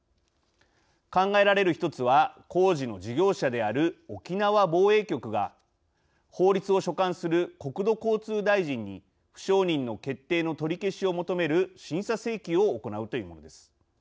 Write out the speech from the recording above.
考えられる１つは工事の事業者である沖縄防衛局が法律を所管する国土交通大臣に不承認の決定の取り消しを求める審査請求を行うというものです。